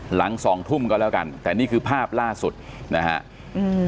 หลังสองทุ่มก็แล้วกันแต่นี่คือภาพล่าสุดนะฮะอืม